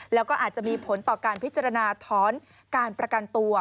แล้วก็อาจจะมีผลต่อการพิจารณาถอนการประกันตัว